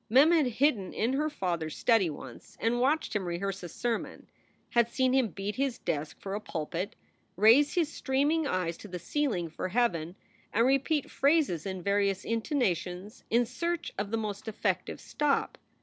Mem had hidden in her father s study once and watched him rehearse a sermon, had seen him beat his desk for a pulpit, raise his streaming eyes to the ceiling for heaven, and repeat phrases in various intonations in search of the most effective stop.